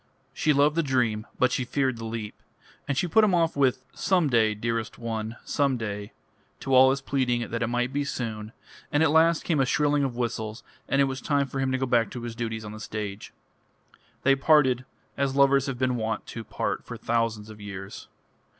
She loved the dream, but she feared the leap; and she put him off with "Some day, dearest one, some day," to all his pleading that it might be soon; and at last came a shrilling of whistles, and it was time for him to go back to his duties on the stage. They parted as lovers have been wont to part for thousands of years.